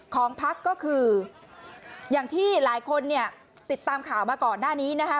ของพักก็คืออย่างที่หลายคนเนี่ยติดตามข่าวมาก่อนหน้านี้นะคะ